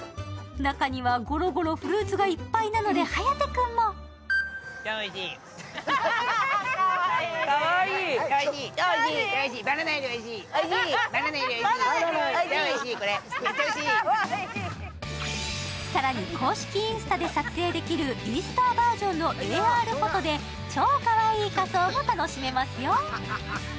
中にはゴロゴロフルーツがいっぱいなので颯君も更に公式インタで撮影できるイースターバージョンのＡＲフォトで超かわいい仮装も楽しめますよ。